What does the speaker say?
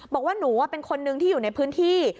บอกว่าหนูเป็นคนนึงที่อยู่ในพื้นที่